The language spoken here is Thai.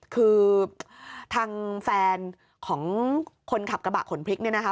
คือทางแฟนของคนขับกระบะขนพริกเนี่ยนะคะ